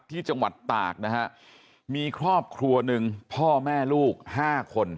ที่จังหวัดตากนะฮะมีครอบครัวหนึ่งพ่อแม่ลูกห้าคน